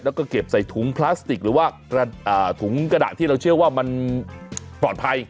แล้วก็เก็บใส่ถุงพลาสติกหรือว่าถุงกระดาษที่เราเชื่อว่ามันปลอดภัย